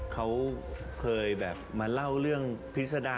เขาเคยแบบมาเล่าเรื่องพิษดา